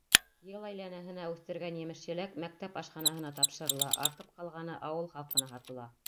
Йыл әйләнәһенә үҫтергән емеш-еләк мәктәп ашханаһына тапшырыла, артып ҡалғаны ауыл халҡына һатыла.